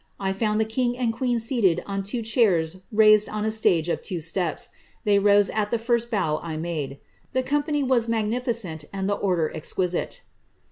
I found the king and queen seated on two chairs raised on a stage of two steps. They rose at the first bow I made. Tht company was magnificent^ and the order exquisite."